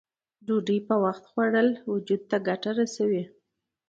د ډوډۍ په وخت خوړل بدن ته ګټه رسوی.